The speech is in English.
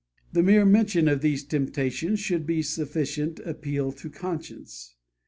The mere mention of these temptations should be sufficient appeal to conscience.